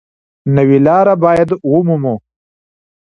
نوې لاره باید ومومو.